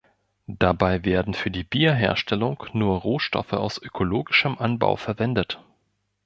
Dabei werden für die Bierherstellung nur Rohstoffe aus ökologischem Anbau verwendet.